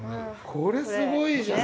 これすごいじゃん。